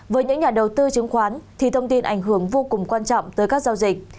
với những nhà đầu tư chứng khoán thì thông tin ảnh hưởng vô cùng quan trọng tới các giao dịch